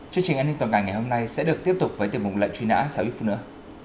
chương trình an ninh toàn cảnh ngày hôm nay sẽ được tiếp tục với tiềm mục lệnh truy nã sau ít phút nữa